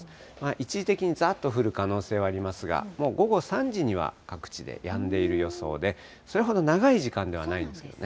一時的にざーっと降る可能性はありますが、もう午後３時には各地でやんでいる予想で、それほど長い時間ではないんですよね。